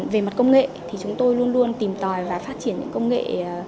về mặt công nghệ thì chúng tôi luôn luôn tìm tòi và phát triển những công nghệ